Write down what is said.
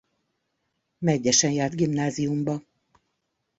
Medgyesen járt gimnáziumba.